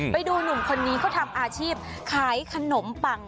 ไปดูหนุ่มคนนี้เขาทำอาชีพขายขนมปัง